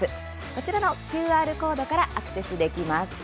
こちらのＱＲコードからアクセスできます。